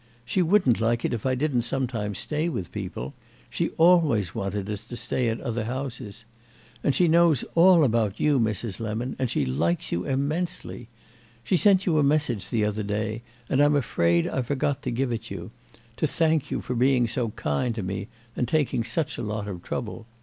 She wouldn't like it if I didn't sometimes stay with people; she always wanted us to stay at other houses. And she knows all about you, Mrs. Lemon, and she likes you immensely. She sent you a message the other day and I'm afraid I forgot to give it you—to thank you for being so kind to me and taking such a lot of trouble.